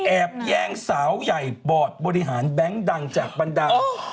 แอบแย่งสาวใหญ่บอร์ดบริหารแบงก์ดังจากบ้านดัง